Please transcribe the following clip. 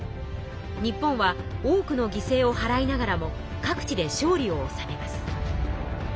日本は多くの犠牲をはらいながらも各地で勝利をおさめます。